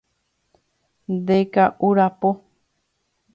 Ndeka'urapo